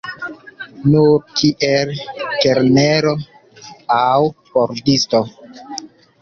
Nur kiel kelnero aŭ pordisto.